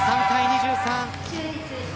２３対２３。